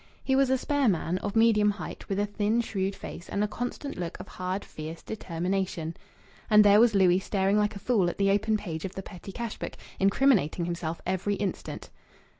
He was a spare man, of medium height, with a thin, shrewd face and a constant look of hard, fierce determination. And there was Louis staring like a fool at the open page of the petty cash book, incriminating himself every instant.